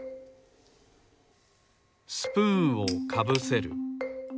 スプーンをかぶせる。